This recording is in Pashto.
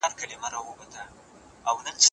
افغان کډوال د بهرنیو هیوادونو قانوني خوندیتوب نه لري.